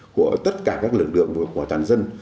của tất cả các lực lượng của toàn dân